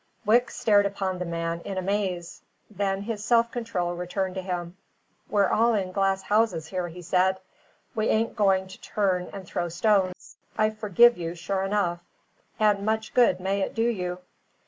Wicks stared upon the man in amaze; then his self control returned to him. "We're all in glass houses here," he said; "we ain't going to turn to and throw stones. I forgive you, sure enough; and much good may it do you!"